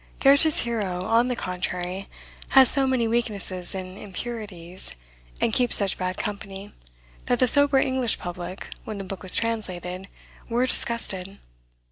Goethe's hero, on the contrary, has so many weaknesses and impurities, and keeps such bad company, that the sober English public, when the book was translated, were disgusted.